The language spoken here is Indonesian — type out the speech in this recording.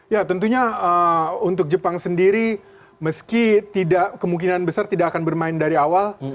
ya tentunya untuk jepang sendiri meski tidak kemungkinan besar tidak akan bermain dari awal